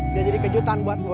udah jadi kejutan buat gue